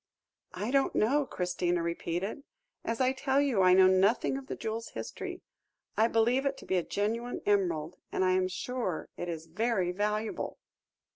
"I don't know," Christina repeated; "as I tell you, I know nothing of the jewel's history. I believe it to be a genuine emerald, and I am sure it is very valuable."